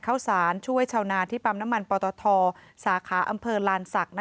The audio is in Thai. เข้าสารช่วยชาวนาที่ปั๊มน้ำมันปตทสาขาอำเภอลานศักดิ์